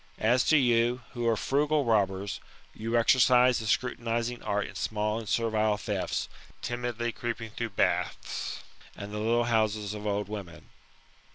As to you, who are frugal robbers, you exercise the scrutinizing art in small and servile thefts, timidly creeping through baths, and the little houses of old women."